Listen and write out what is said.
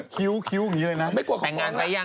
คิ้วคิ้วอย่างนี้เลยนะ